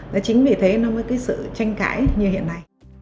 và chính vì thế nó mới cái sự tranh cãi như hiện nay